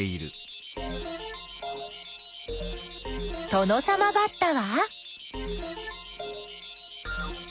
トノサマバッタは？